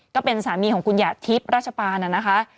ก็เป็นสามีของคุณหญ่าทิพย์ราชปาร์ตนนะค่ะ